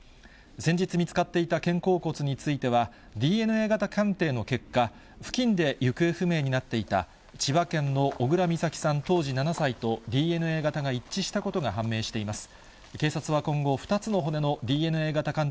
先日見つかっていた肩甲骨については、ＤＮＡ型鑑定の結果、付近で行方不明になっていた千葉県の小倉美咲さん当時７歳とＤＮＡ型が一致したことが判明しています。